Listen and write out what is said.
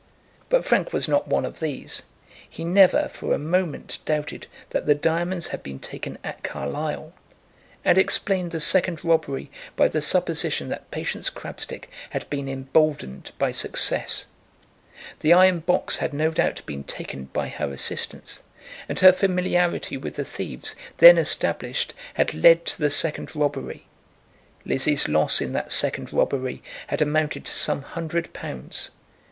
But Frank was not one of these. He never for a moment doubted that the diamonds had been taken at Carlisle, and explained the second robbery by the supposition that Patience Crabstick had been emboldened by success. The iron box had no doubt been taken by her assistance, and her familiarity with the thieves, then established, had led to the second robbery. Lizzie's loss in that second robbery had amounted to some hundred pounds.